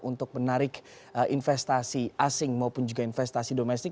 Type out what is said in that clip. untuk menarik investasi asing maupun juga investasi domestik